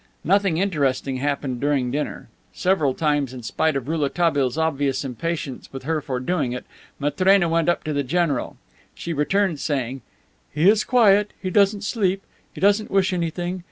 Nothing interesting happened during dinner. Several times, in spite of Rouletabille's obvious impatience with her for doing it, Matrena went up to the general. She returned saying, "He is quiet. He doesn't sleep. He doesn't wish anything.